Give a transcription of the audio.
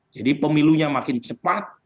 jadi pemilunya makin cepat